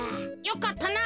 よかったな。